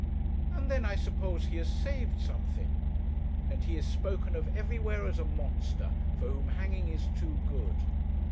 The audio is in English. And then, I suppose, he has saved something.' 'And he is spoken of everywhere as a monster for whom hanging is too good.'